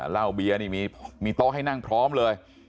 เหล้าเบียร์นี่มีโต๊ะให้นั่งพร้อมเลย